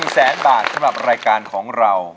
๑แสนบาทสำหรับรายการของเรา